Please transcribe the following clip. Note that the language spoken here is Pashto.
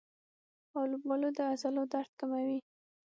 آلوبالو د عضلو درد کموي.